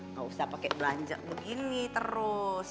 nggak usah pakai belanja begini terus